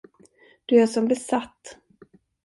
Du är som besatt.